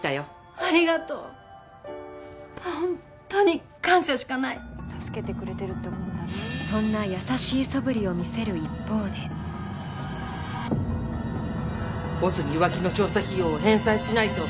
ありがとう、本当に感謝しかないそんな優しいそぶりを見せる一方でボスに浮気の調査費用を返済しないと。